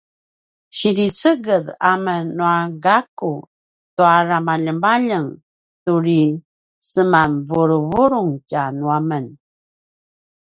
siniceged amen nua gakku tua ramaljemaljeng turi semanvuluvulung tja nu amen